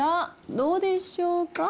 どうでしょうか。